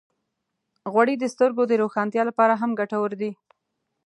غوړې د سترګو د روښانتیا لپاره هم ګټورې دي.